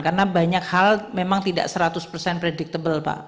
karena banyak hal memang tidak seratus predictable pak